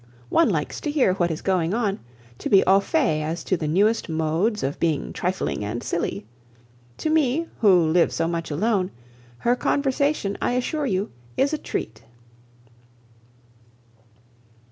One likes to hear what is going on, to be au fait as to the newest modes of being trifling and silly. To me, who live so much alone, her conversation, I assure you, is a treat."